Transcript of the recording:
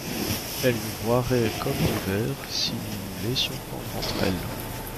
Elles nous broieraient comme du verre, si nous nous laissions prendre entre elles.